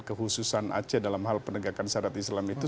kehususan aceh dalam hal penegakan syarat islam itu